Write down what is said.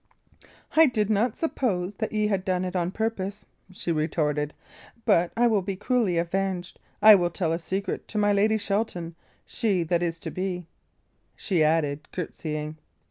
"I did not suppose that ye had done it o' purpose," she retorted. "But I will be cruelly avenged. I will tell a secret to my Lady Shelton she that is to be," she added, curtseying.